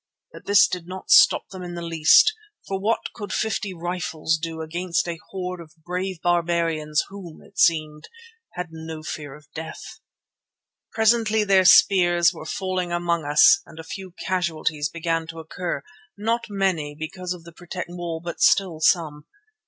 But this did not stop them in the least, for what could fifty rifles do against a horde of brave barbarians who, it seemed, had no fear of death? Presently their spears were falling among us and a few casualties began to occur, not many, because of the protecting wall, but still some.